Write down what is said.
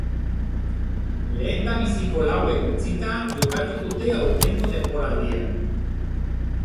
Lehendabiziko lauek utzita jokatu dute aurtengo denboraldian.